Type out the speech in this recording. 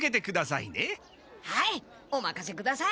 はいおまかせください！